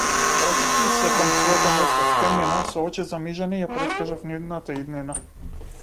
Враќајќи се кон своето место в темнина, со очи замижани ја претскажав нивната иднина.